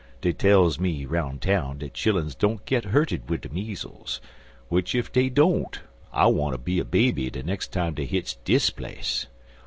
Dey tells me 'roun' town dat chilluns don't git hurted wid de meezles, w'ich ef dey don't I wanter be a baby de nex' time dey hits dis place.